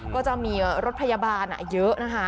ก็จะมีรถพยาบาลเยอะนะคะ